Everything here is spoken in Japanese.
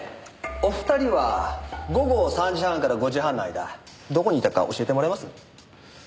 お二人は午後３時半から５時半の間どこにいたか教えてもらえます？